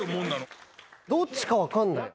どっちか分かんない。